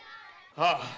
ああ！